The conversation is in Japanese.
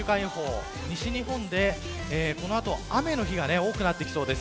西日本でこの後雨の日が多くなってきそうです。